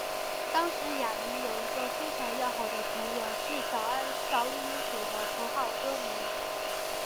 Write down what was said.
当时亚弥有一个非常要好的朋友是早安少女组的头号歌迷。